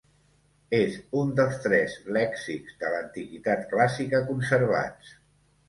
És un dels tres lèxics de l'antiguitat clàssica conservats.